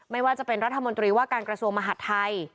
ไม่ว่าจะเป็นรัฐมนตรีว่าการกระทรวงมหาดไทย